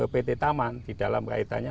pt taman di dalam kaitannya